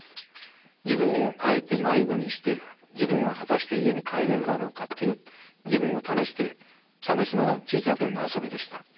自分をあえて迷子にして自分を果たして家に帰れるだろうかという自分を試して試すのが小さい頃の遊びでした。